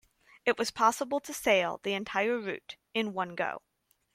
It was possible to sail the entire route in one go.